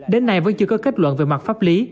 đến nay vẫn chưa có kết luận về mặt pháp lý